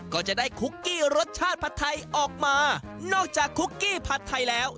ก็จะได้คุกกี้รสชาติผัดไทยออกมานอกจากคุกกี้ผัดไทยแล้ว